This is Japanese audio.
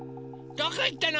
どこいったの？